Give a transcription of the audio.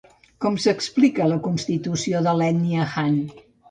Com s'explica la constitució de l'ètnia Han?